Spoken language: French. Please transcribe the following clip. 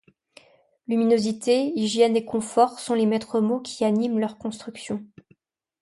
Luminosité, hygiène et confort sont les maîtres mots qui animent leurs constructions.